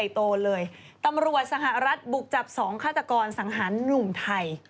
โตเลยตำรวจสหรัฐบุกจับ๒ฆาตกรสังหารหนุ่มไทย